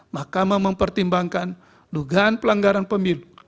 mahkamah mempertimbangkan dugaan pelanggaran pemilu